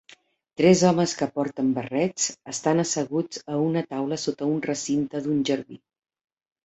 Tres homes que porten barrets estan asseguts a una taula sota un recinte d'un jardí.